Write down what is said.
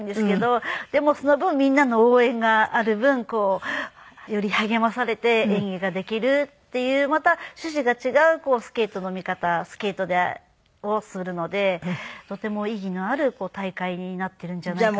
でもその分みんなの応援がある分こうより励まされて演技ができるっていうまた趣旨が違うスケートの見方スケートをするのでとても意義のある大会になっているんじゃないかなと。